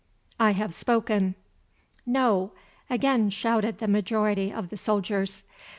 I have spoken." "No," again shouted the majority of the soldiers.